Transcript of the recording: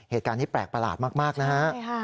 เหตุการณ์นี้แปลกประหลาดมากนะฮะ